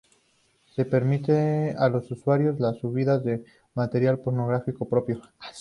Se permite a los usuarios la subida de material pornográfico propio.